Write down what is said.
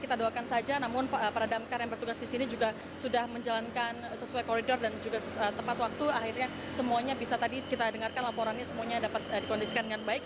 kita doakan saja namun para damkar yang bertugas di sini juga sudah menjalankan sesuai koridor dan juga tepat waktu akhirnya semuanya bisa tadi kita dengarkan laporannya semuanya dapat dikondisikan dengan baik